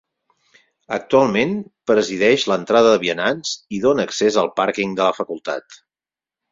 Actualment presideix l'entrada de vianants i dóna accés al pàrquing de la facultat.